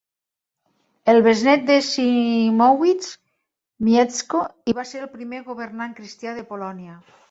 El besnét de Siemowit, Mieszko I, va ser el primer governant cristià de Polònia.